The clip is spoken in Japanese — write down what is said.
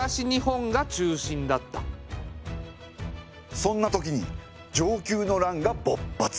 そんな時に承久の乱がぼっ発。